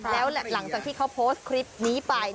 แล้วหลังจากที่เขาโพสต์คลิปนี้ไป